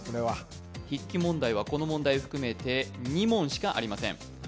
筆記問題はこの問題を含めて２問しかありません。